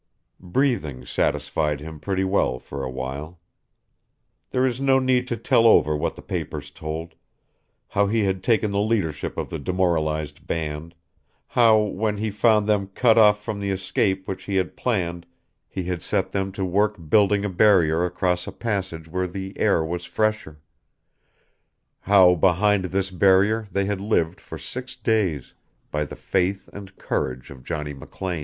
Breathing satisfied him pretty well for a while. There is no need to tell over what the papers told how he had taken the leadership of the demoralized band; how when he found them cut off from the escape which he had planned he had set them to work building a barrier across a passage where the air was fresher; how behind this barrier they had lived for six days, by the faith and courage of Johnny McLean.